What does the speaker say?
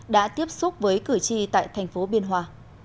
đã tiếp xúc với cử tri tại thành phố biên hòa